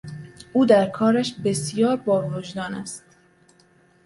او در کارش بسیار با وجدان است.